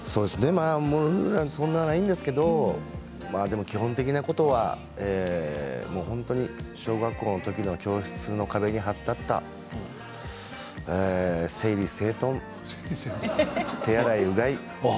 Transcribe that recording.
今はそんなにないんですけれども基本的なことは本当に、小学校のときの教室の壁に貼ってあった整理整頓、手洗いうがい。